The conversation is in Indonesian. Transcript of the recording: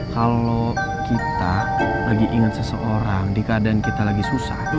kalau kita lagi ingat seseorang di keadaan kita lagi susah